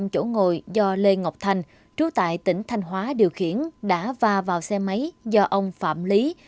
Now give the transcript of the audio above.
bốn mươi năm chỗ ngồi do lê ngọc thành trú tại tỉnh thanh hóa điều khiển đã va vào xe máy do ông phạm lý